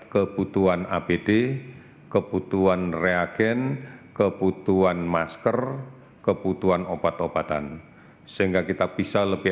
kebutuhan apd kebutuhan reagen kebutuhan masker kebutuhan obat obatan sehingga kita bisa lebih